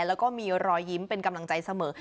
แล้วก็มีรอยยิ้มเป็นกำลังใจเสมอ